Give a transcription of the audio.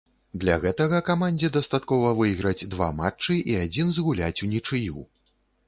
Для гэтага камандзе дастаткова выйграць два матчы і адзін згуляць унічыю.